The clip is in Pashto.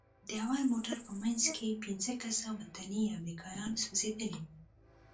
د اول موټر په منځ کښې پنځه کسه وطني امريکايان سوځېدلي وو.